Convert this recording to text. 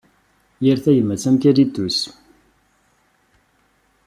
Yir tagmatt am kalitus.